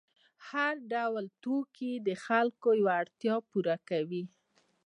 هر ډول توکي د خلکو یوه اړتیا پوره کوي.